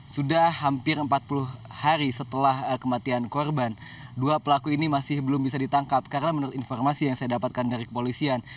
sudah hampir empat puluh hari setelah kematian korban dua pelaku ini masih belum bisa ditangkap karena menurut informasi yang saya dapatkan dari kepolisian